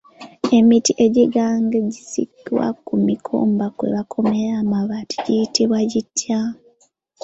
Emiti egiganzikibwa ku mikomba kwe bakomerera amabaati giyitibwa gitya?